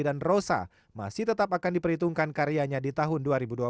dan rosa masih tetap akan diperhitungkan karyanya di tahun dua ribu dua puluh